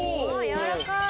やわらかい！